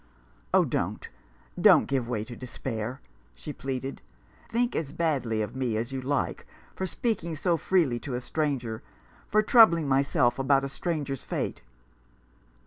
" Oh, don't, don't give way to despair !" she pleaded. " Think as badly of me as you like — for speaking so freely to a stranger — for troubling myself about a stranger's fate."